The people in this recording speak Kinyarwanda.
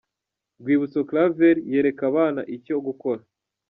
Rwibutso Claver yereka abana icyo gukora.